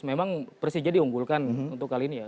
memang persija diunggulkan untuk kali ini ya